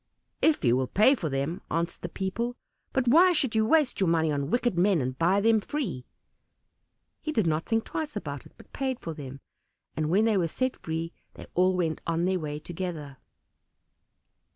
"If you will pay for them," answered the people; "but why should you waste your money on wicked men, and buy them free." He did not think twice about it, but paid for them, and when they were set free they all went on their way together.